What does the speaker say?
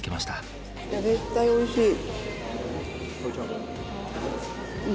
あ絶対おいしい。